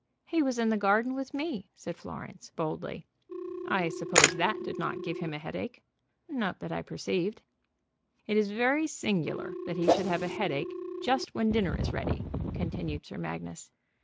"He was in the garden with me," said Florence, boldly. "I suppose that did not give him a headache." "Not that I perceived." "It is very singular that he should have a headache just when dinner is ready," continued Sir Magnus.